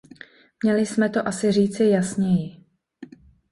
Měli jsme to asi říci jasněji.